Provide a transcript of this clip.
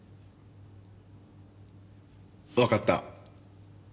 わかった。